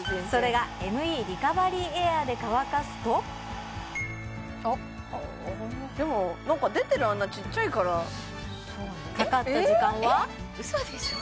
それがＭＥリカバリーエアーで乾かすとあっでも何か出てる穴ちっちゃいからかかった時間はえっ嘘でしょ